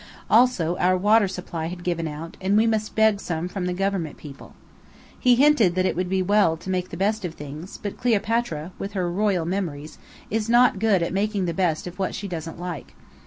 Also our water supply had given out, and we must beg some from the "government people." He hinted that it would be well to make the best of things; but Cleopatra, with her royal memories, is not good at making the best of what she doesn't like.